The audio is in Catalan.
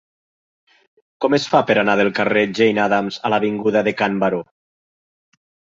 Com es fa per anar del carrer de Jane Addams a l'avinguda de Can Baró?